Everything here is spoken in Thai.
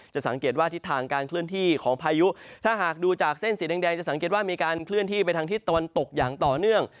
สังเกตว่าทิศทางการเคลื่อนที่ของพายุถ้าหากดูจากเส้นสีแดงจะสังเกตว่ามีการเคลื่อนที่ไปทางทิศตะวันตกอย่างต่อเนื่อง